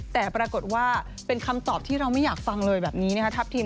แต่ปรากฏว่าเป็นคำตอบที่เราไม่อยากฟังเลยแบบนี้นะครับทัพทิม